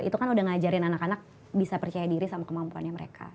itu kan udah ngajarin anak anak bisa percaya diri sama kemampuannya mereka